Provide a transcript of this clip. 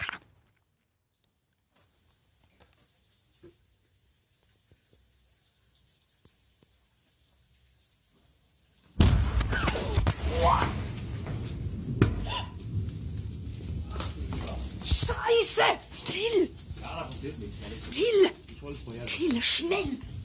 คุณสามารถออกมาโดนทั้งบอลที่แกรีปไม่๑๙๙๒